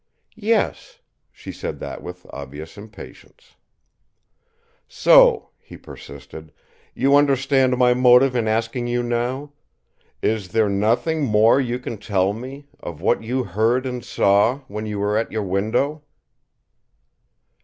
"Yes." She said that with obvious impatience. "So," he persisted, "you understand my motive in asking you now: is there nothing more you can tell me of what you heard and saw, when you were at your window?"